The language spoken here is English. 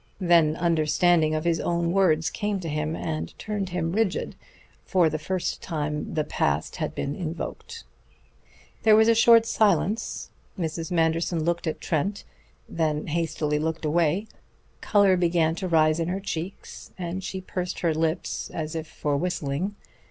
Then understanding of his own words came to him, and turned him rigid. For the first time the past had been invoked. There was a short silence. Mrs. Manderson looked at Trent, then hastily looked away. Color began to rise in her cheeks, and she pursed her lips as if for whistling.